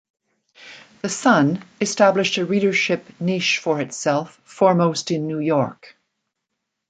"The Sun" established a readership niche for itself foremost in New York.